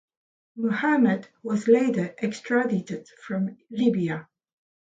Muhammad was later extradited from Libya.